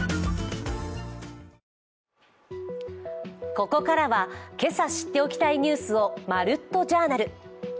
ここからは今朝知っておきたいニュースを「まるっと！Ｊｏｕｒｎａｌ」。